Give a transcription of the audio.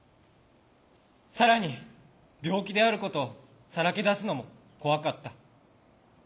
更に病気であることをさらけ出すのも怖かった。